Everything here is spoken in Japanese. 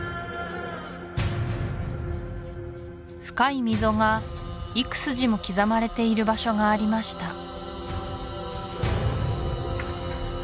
深い溝が幾筋も刻まれている場所がありました